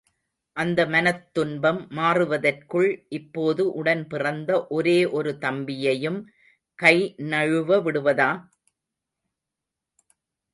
அந்த மனத் துன்பம் மாறுவதற்குள் இப்போது உடன்பிறந்த ஒரே ஒரு தம்பியையும் கை நழுவ விடுவதா?